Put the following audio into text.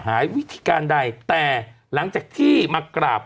วิธีการใดแต่หลังจากที่มากราบ